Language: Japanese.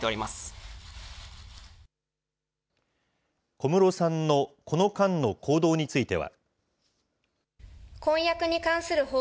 小室さんの、この間の行動については。